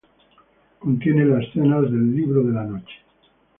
Contiene las escenas del "Libro de la noche".